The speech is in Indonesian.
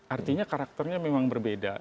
artinya karakternya memang berbeda